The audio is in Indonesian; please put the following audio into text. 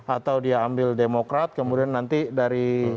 atau dia ambil demokrat kemudian nanti dari